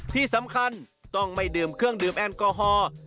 ที่สำคัญต้องไม่ดื่มเครื่องดื่มแอลกอฮอล์